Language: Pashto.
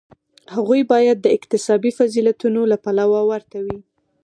هغوی باید د اکتسابي فضیلتونو له پلوه ورته وي.